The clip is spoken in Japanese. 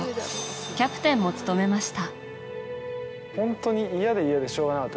キャプテンも務めました。